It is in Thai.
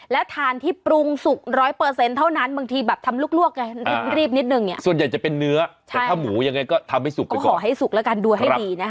แล้วทานที่ปรุงสุก๑๐๐เท่านั้นบางทีแบบทำลูกกันรีบนิดนึงส่วนใหญ่จะเป็นเนื้อแต่ถ้าหมูยังไงก็ทำให้สุกก่อน